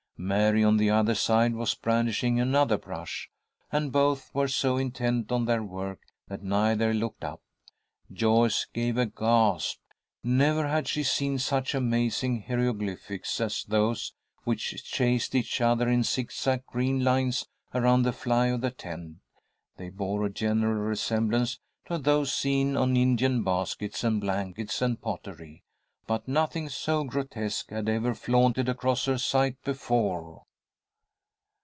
Mary, on the other side, was brandishing another brush, and both were so intent on their work that neither looked up. Joyce gave a gasp. Never had she seen such amazing hieroglyphics as those which chased each other in zigzag green lines around the fly of the tent. They bore a general resemblance to those seen on Indian baskets and blankets and pottery, but nothing so grotesque had ever flaunted across her sight before.